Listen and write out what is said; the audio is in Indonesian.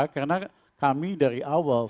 karena kami dari awal